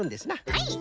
はい。